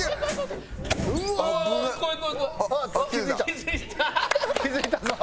気付いたぞ。